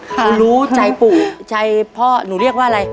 เขารู้ใจปู่ใจพ่อหนูเรียกว่าอะไร